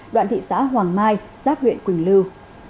đoạn thị xã hoàng mai giáp huyện quỳnh lưu